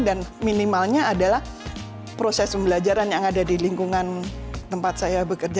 dan minimalnya adalah proses pembelajaran yang ada di lingkungan tempat saya bekerja